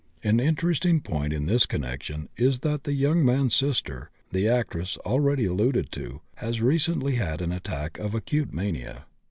An interesting point in this connection is that the young man's sister, the actress already alluded to, has recently had an attack of acute mania.